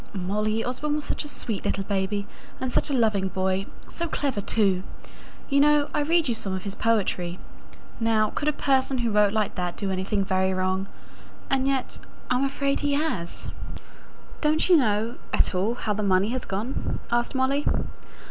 Molly, Osborne was such a sweet little baby, and such a loving boy: so clever, too! You know I read you some of his poetry: now, could a person who wrote like that do anything very wrong? And yet I'm afraid he has." "Don't you know, at all, how the money has gone?" asked Molly.